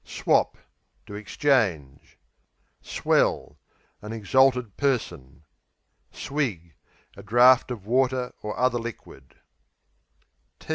Swap To exchange. Swell An exalted person. Swig A draught of water or other liquid.